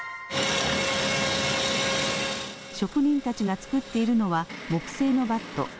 職人たちが作っているのは、木製のバット。